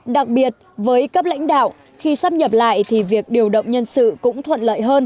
đặc biệt với cấp lãnh đạo khi sát nhập lại thì việc điều động nhân sự cũng thuận lợi